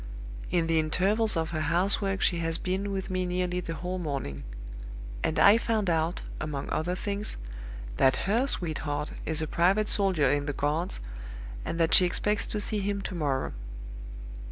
In the intervals of her housework she has been with me nearly the whole morning; and I found out, among other things, that her sweetheart is a private soldier in the Guards, and that she expects to see him to morrow.